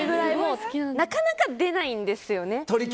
なかなか出ないんですよね。